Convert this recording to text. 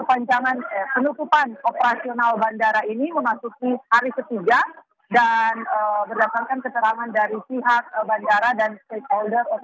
pencaupan operasional bandara ini memasuki hari ketiga dan berdasarkan keterangan dari pihak bandara dan stakeholder